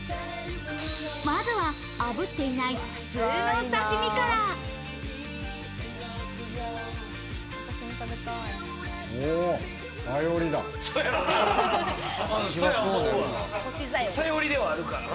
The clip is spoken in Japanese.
まずは炙っていない普通の刺身から。